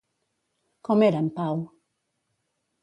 Com era en Pau?